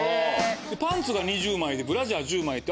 パンツが２０枚でブラジャー１０枚って。